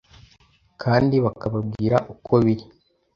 kandi bakababwira uko biri